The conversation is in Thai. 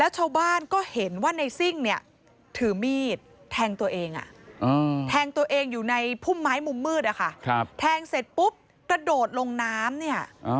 แทงตัวเองอยู่ในพุ่มไม้มุมมืดแทงเสร็จปุ๊บกระโดดลงน้ำเนี่ย